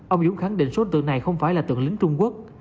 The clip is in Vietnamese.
ông dũng khẳng định số tượng này không phải là tượng lính trung quốc